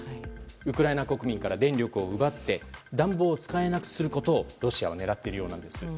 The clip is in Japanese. ウクライナ国民から電力を奪って暖房を使えなくすることをロシアは狙っているようなんです。